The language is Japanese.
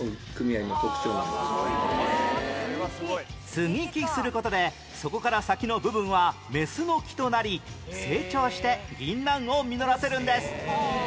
接ぎ木する事でそこから先の部分はメスの木となり成長して銀杏を実らせるんです